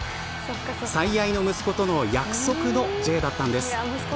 最愛の息子との約束のＪだったんです。